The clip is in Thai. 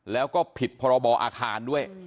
แล้วก็ผิดพรบอาคารด้วย